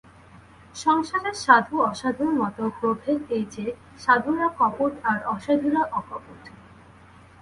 সংসারে সাধু অসাধুর মধ্যে প্রভেদ এই যে, সাধুরা কপট আর অসাধুরা অকপট।